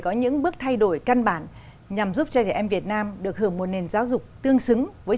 có những bước thay đổi căn bản nhằm giúp cho trẻ em việt nam được hưởng một nền giáo dục tương xứng với